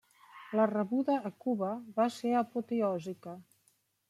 La rebuda a Cuba va ser apoteòsica.